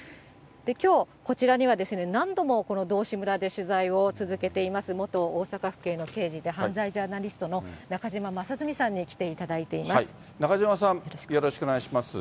きょう、こちらには何度もこの道志村で取材を続けています、元大阪府警の刑事で犯罪ジャーナリストの中島正純さんに来ていた中島さん、よろしくお願いします。